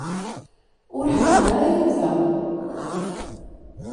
Ur ḥemmleɣ ara Yuba.